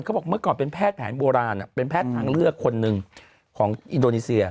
เมื่อก่อนเป็นแพทย์แผนโบราณเป็นแพทย์ทางเลือกคนหนึ่งของอินโดนีเซีย